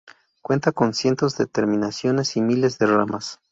Cuenta con cientos de terminaciones y miles de ramas.